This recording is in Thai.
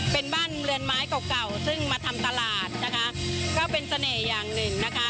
เป็นบ้านเรือนไม้เก่าเก่าซึ่งมาทำตลาดนะคะก็เป็นเสน่ห์อย่างหนึ่งนะคะ